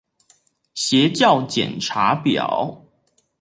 邪教檢查表